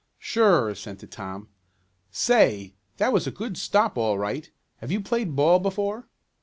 "Sure," assented Tom. "Say, that was a good stop all right. Have you played ball before?"